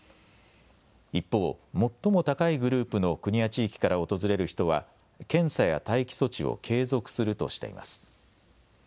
一方、最も高いグループの国や地域から訪れる人は検査や待機措置を継続するとしています。